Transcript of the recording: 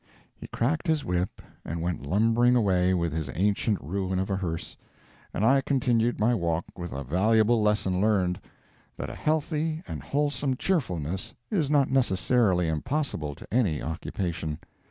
He cracked his whip and went lumbering away with his ancient ruin of a hearse, and I continued my walk with a valuable lesson learned that a healthy and wholesome cheerfulness is not necessarily impossible to any occupation.